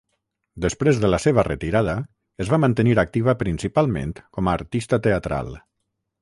Després de la seva retirada, es va mantenir activa principalment com a artista teatral.